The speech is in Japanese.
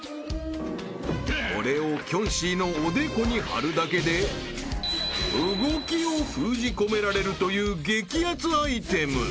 ［これをキョンシーのおでこに張るだけで動きを封じ込められるという激熱アイテム］